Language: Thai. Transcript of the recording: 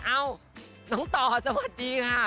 เอ้าน้องต่อสวัสดีค่ะ